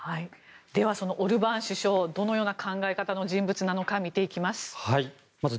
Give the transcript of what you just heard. では、そのオルバン首相どのような考え方の人物なのか見ていきます。